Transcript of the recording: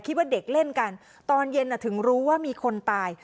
คิดว่าเด็กเล่นกันตอนเย็นถึงรู้ว่ามีคนตาย